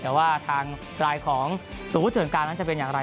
แต่ว่าทางรายของศูนย์เกิดการณ์นั้นจะเป็นอย่างไร